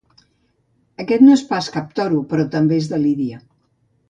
Aquest no és pas cap toro, però també és de Lídia.